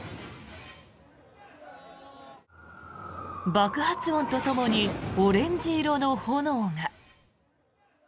爆発音とともにオレンジ色の炎が。